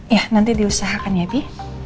ya nanti diusahakan ya bi